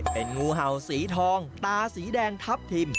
เป็นงูเห่าสีทองตาสีแดงทัพทิม